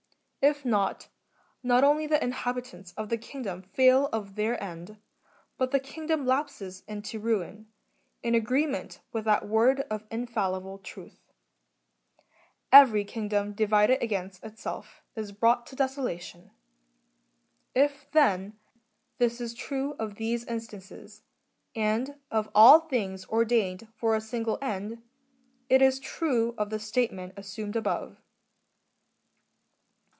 If not, not only the inhabitants of the kingdom fail of their end, but the kingdom lapses into ruin, in agreement with that word of infallible truth, " Every king dom divided against itself is brought to desola tion." ^ If, then, this is true of these instances, and of all things ordained for a single end,^ it is true of the statement assumed above.